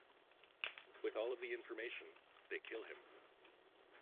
With all of the information, they kill him.